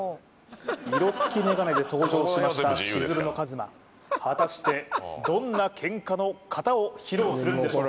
色つきメガネで登場しましたしずるのＫＡＭＡ果たしてどんな喧嘩の形を披露するんでしょうか？